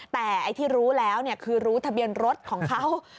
แต่ไอ้ที่รู้แล้วคือรู้ทะเบียนรถของเขา